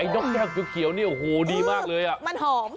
นกแก้วเขียวนี่โอ้โหดีมากเลยอ่ะมันหอม